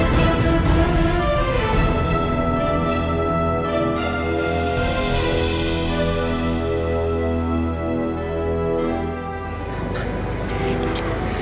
di situ di situ